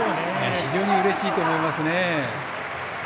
非常にうれしいと思います。